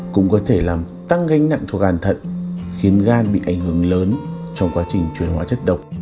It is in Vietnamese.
cũng có thể làm tăng ganh nặng thuộc gan thận khiến gan bị ảnh hưởng lớn trong quá trình chuyển hóa chất độc